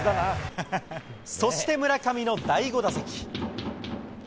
そして村上の第５打席。